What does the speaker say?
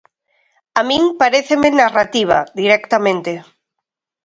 A min paréceme narrativa, directamente.